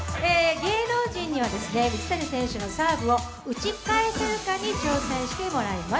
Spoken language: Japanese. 芸能人には、水谷選手のサーブを打ち返せるかに挑戦してもらいます。